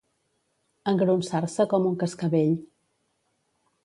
Engronsar-se com un cascavell.